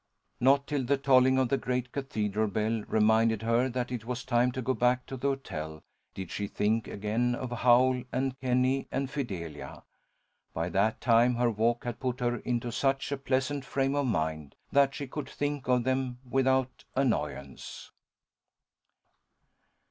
Not till the tolling of the great cathedral bell reminded her that it was time to go back to the hotel, did she think again of Howl and Kenny and Fidelia. By that time her walk had put her into such a pleasant frame of mind, that she could think of them without annoyance.